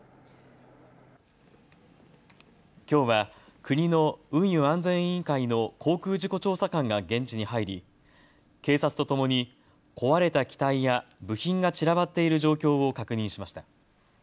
きょうは国の運輸安全委員会の航空事故調査官が現地に入り警察とともに壊れた機体や部品が散らばっている状況を確認しました。